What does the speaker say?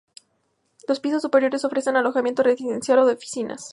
Los pisos superiores ofrecen alojamiento residencial o de oficinas.